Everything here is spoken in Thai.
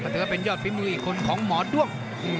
ก็เป็นยอดภีมืออีกคนของหมอด้วง